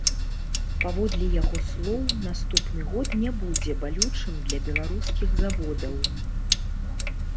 Паводле яго слоў, наступны год не будзе балючым для беларускіх заводаў.